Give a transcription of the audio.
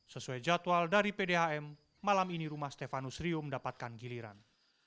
sesuai jadwal dari pdhm malam ini rumah stefanus rium mendapatkan giliran